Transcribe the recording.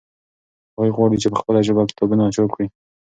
هغوی غواړي چې په خپله ژبه کتابونه چاپ کړي.